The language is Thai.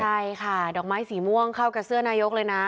ใช่ค่ะดอกไม้สีม่วงเข้ากับเสื้อนายกเลยนะ